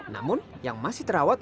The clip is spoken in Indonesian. namun yang masih terawat